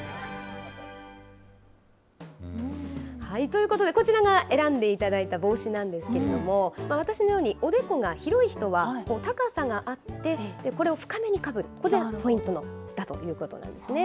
ということで、こちらが選んでいただいた帽子なんですけれども、私のようにおでこが広い人は、高さがあって、これを深めにかぶる、こちらがポイントだということなんですね。